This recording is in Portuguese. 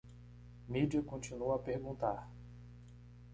Mídia continua a perguntar